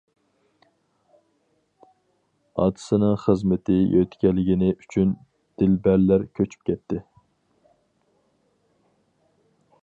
ئاتىسىنىڭ خىزمىتى يۆتكەلگىنى ئۈچۈن دىلبەرلەر كۆچۈپ كەتتى.